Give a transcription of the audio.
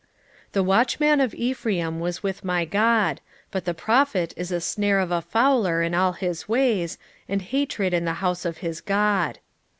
9:8 The watchman of Ephraim was with my God: but the prophet is a snare of a fowler in all his ways, and hatred in the house of his God.